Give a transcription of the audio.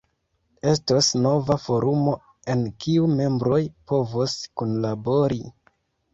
Estos nova forumo, en kiu membroj povos kunlabori.